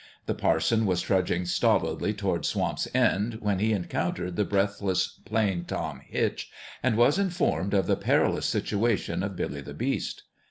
The parson was trudging stolidly towards Swamp's End when he encountered the breath less Plain Tom Hitch and was informed of the perilous situation of Billy the Beast.